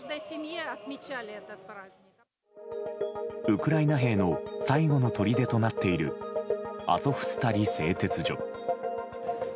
ウクライナ兵の最後のとりでとなっているアゾフスタリ製鉄所。